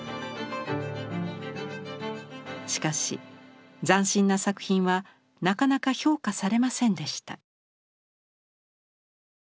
しかし斬新な作品はなかなか評価されませんでした。